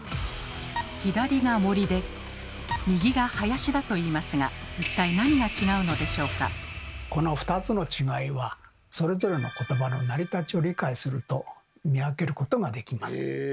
左が森で右が林だといいますが一体この２つの違いはそれぞれのことばの成り立ちを理解すると見分けることができます。